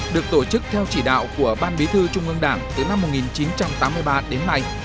được tổ chức theo chỉ đạo của ban bí thư trung ương đảng từ năm một nghìn chín trăm tám mươi ba đến nay